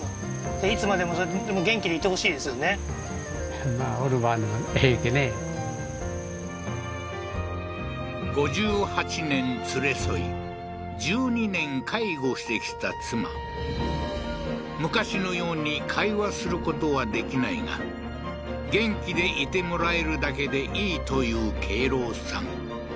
やっぱりそっかそっか５８年連れ添い１２年介護してきた妻昔のように会話することはできないが元気でいてもらえるだけでいいという敬郎さん